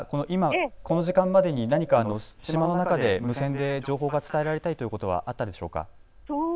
最初に一報を聞いてから今この時間までに何か島の中で無線で情報が伝えられたりということはあったんでしょうか。